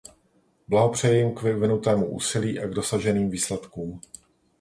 Blahopřeji jim k vyvinutému úsilí a k dosaženým výsledkům.